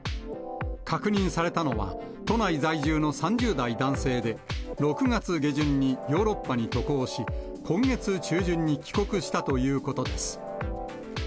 確認されたのは、都内在住の３０代男性で、６月下旬にヨーロッパに渡航し、今月中旬に帰国したということです。